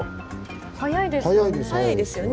速いですよね。